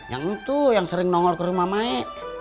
yang itu yang sering nongol ke rumah mai